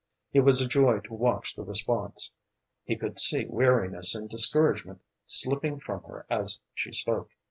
It was a joy to watch the response. He could see weariness and discouragement slipping from her as she spoke.